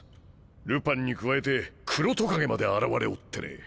ルパンに加えて黒蜥蜴まで現れおってね。